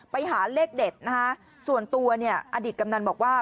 ไปหาเลขเด็ดนะคะส่วนตัวเนี่ยอดีตกำนันบอกว่า